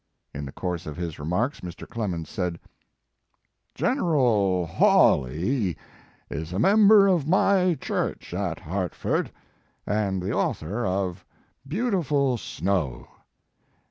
In the course of his remarks Mr. Clemens said: "General Hawley is a member of my church at Hartford, and the author of Beautiful Snow.